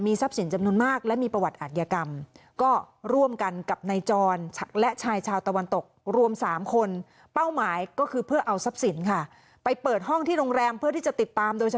มีทรัพย์สินจำนวนมากและมีประวัติอาทยากรรม